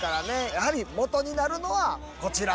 やはりモトになるのはこちら。